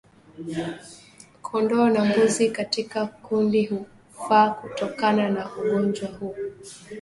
kondoo na mbuzi katika kundi hufa kutokana na ugonjwa huu